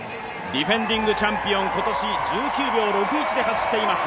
ディフェンディングチャンピオン、今年１９秒６１で走っています